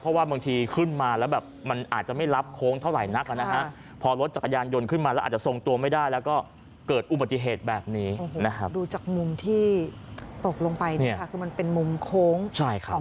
เพราะว่าบางทีขึ้นมาแล้วแบบมันอาจจะไม่รับโค้งเท่าไหรนักอ่ะนะคะ